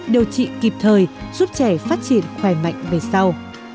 điều trị kịp thời giúp trẻ phát triển khỏe mạnh về sau